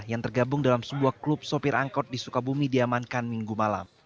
yang tergabung dalam sebuah klub sopir angkot di sukabumi diamankan minggu malam